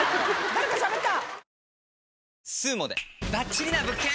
誰かしゃべった。